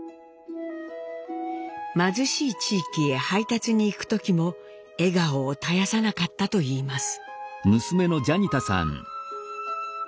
貧しい地域へ配達に行く時も笑顔を絶やさなかったといいます。